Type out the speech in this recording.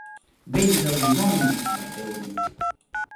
Vell del dimoni!- va fer un.